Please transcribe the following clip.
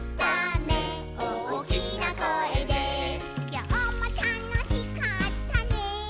「きょうもたのしかったね」